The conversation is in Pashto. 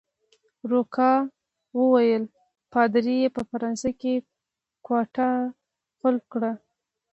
روکا وویل: پادري يې په فرانسه کې کوټه قلف کړه.